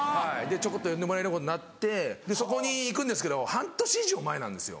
ちょこっと呼んでもらえるようになってそこに行くんですけど半年以上前なんですよ。